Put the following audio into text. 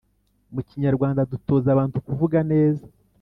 mu kinyarwanda dutoza abantu kuvuga neza